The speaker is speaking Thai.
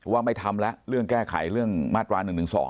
ว่าไม่ทำแล้วเรื่องแก้ไขเรื่องมาตรา๑๑๒